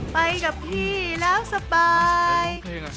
ไปกับพี่แล้วสบาย